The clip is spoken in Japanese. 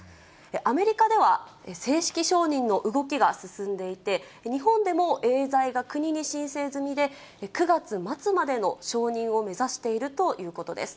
アメリカでは正式承認の動きが進んでいて、日本でもエーザイが国に申請済みで、９月末までの承認を目指しているということです。